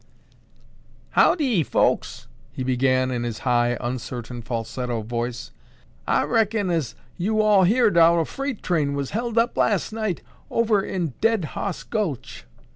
"Howdy, folks," he began in his high, uncertain, falsetto voice, "I reckon as you all heerd how a freight train was held up last night over in Dead Hoss Gulch."